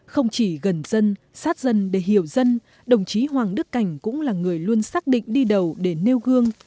không chỉ gần dân sát dân để hiểu dân đồng chí hoàng đức cảnh cũng là người luôn xác định đi đầu để nêu gương